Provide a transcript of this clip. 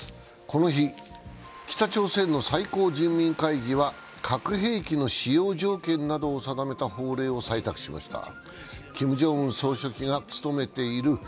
この日、北朝鮮の最高人民会議は核兵器の使用条件などを定めた法令を採択しました。